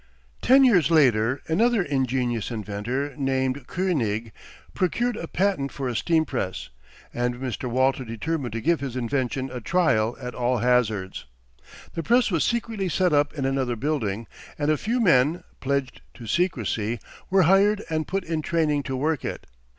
Ten years later another ingenious inventor, named König, procured a patent for a steam press, and Mr. Walter determined to give his invention a trial at all hazards. The press was secretly set up in another building, and a few men, pledged to secrecy, were hired and put in training to work it.